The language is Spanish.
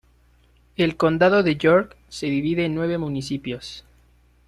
El Condado de York se divide en nueve municipios.